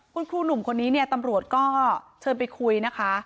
คุณครูหนุ่มคนนี้เนี่ยตำรวจก็เชิญไปคุยนะคะ